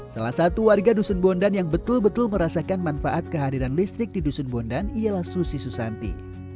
salah satu warga dusun bondan yang betul betul merasakan manfaat kehadiran listrik di dusun bondan ialah susi susanti